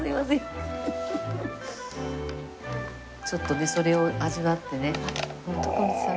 ちょっとねそれを味わってね。